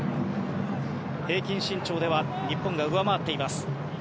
平均身長では日本が上回っています。